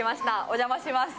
お邪魔しまーす。